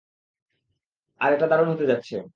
আর এটা দারুণ হতে যাচ্ছে।